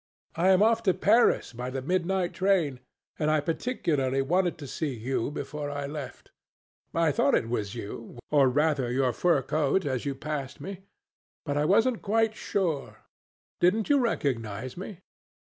I am off to Paris by the midnight train, and I particularly wanted to see you before I left. I thought it was you, or rather your fur coat, as you passed me. But I wasn't quite sure. Didn't you recognize me?"